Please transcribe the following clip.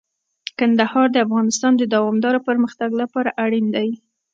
کندهار د افغانستان د دوامداره پرمختګ لپاره اړین دی.